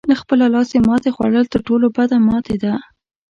له خپله لاسه ماتې خوړل تر ټولو بده ماتې ده.